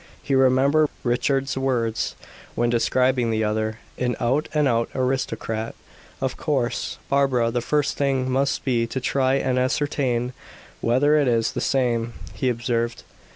He remembered Richard's words, when describing the other: "an out and out aristocrat." "Of course, Barbara, the first thing must be to try and ascertain whether it is the same," he observed.